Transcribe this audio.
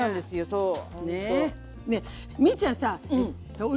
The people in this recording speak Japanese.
そう。